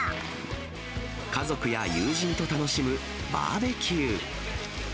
家族や友人と楽しむバーベキュー。